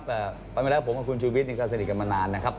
วันเมื่อแล้วผมกับคุณชูวิทย์ยังก็สนิทกันมานานนะครับ